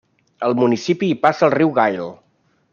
Al municipi hi passa el riu Gail.